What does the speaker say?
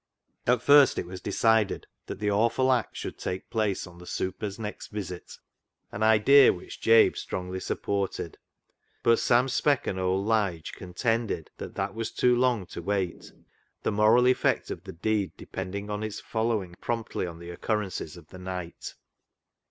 At first it was decided that the awful act «'THE ZEAL OF THINE HOUSE" 285 should take place on the " super's " next visit, an idea which Jabe strongly supported ; but Sam Speck and old Lige' contented that that was too long to wait, the moral effect of the deed depending on its following promptly on the occurrences of the night.